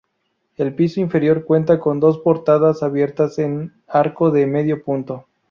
El piso inferior cuenta con dos portadas abiertas en arco de medio punto.